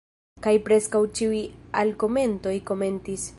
Kaj preskaŭ ĉiuj alkomentoj komentis: